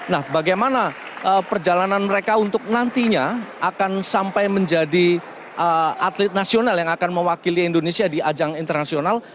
nah bagaimana perjalanan mereka untuk nantinya akan sampai menjadi atlet nasional yang akan mewakili indonesia di ajang internasional